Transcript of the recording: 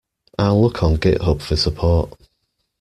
I'll look on Github for support.